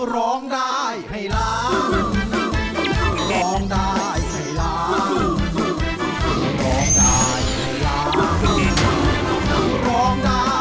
ร้องได้ให้ล้าง